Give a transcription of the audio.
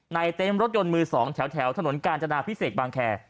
เต็มรถยนต์มือ๒แถวถนนกาญจนาพิเศษบางแคร์